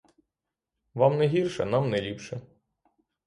Вам не гірше, нам не ліпше.